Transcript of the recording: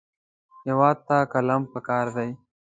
هېواد ته قلم پکار دی